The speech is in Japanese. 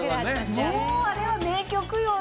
もうあれは名曲よね。